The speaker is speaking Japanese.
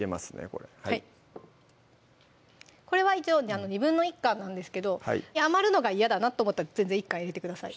これこれは一応１／２缶なんですけど余るのが嫌だなと思ったら全然１缶入れてください